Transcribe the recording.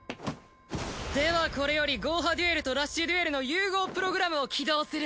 ではこれよりゴーハデュエルとラッシュデュエルの融合プログラムを起動する！